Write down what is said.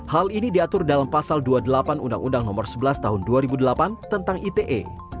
hal ini diatur dalam pasal dua puluh delapan undang undang nomor sebelas tahun dua ribu delapan tentang ite